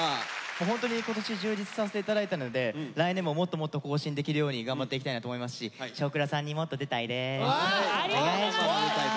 ホントに今年充実させて頂いたので来年ももっともっと更新できるように頑張っていきたいなと思いますし「少クラ」さんにもっと出たいです。